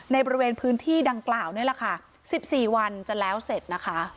ในบริเวณพื้นที่ดังกล่าวนี่แหละค่ะ๑๔วันจะแล้วเสร็จนะคะ